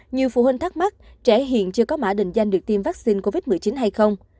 nhiều phụ huynh thắc mắc trẻ hiện chưa có mã định danh được tiêm vaccine covid một mươi chín hay không